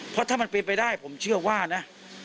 เพราะถ้ามันเป็นไปได้ผมเชื่อว่านะ